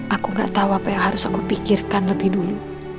aku gak tahu apa yang harus aku pikirkan lebih dulu